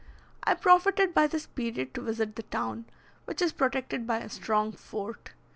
I profited by this period to visit the town, which is protected by a strong fort.